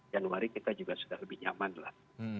januari kita juga sudah lebih nyaman lah